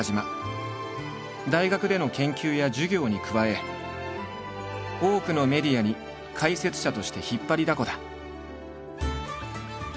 大学での研究や授業に加え多くのメディアに解説者として引っ張りだこだ。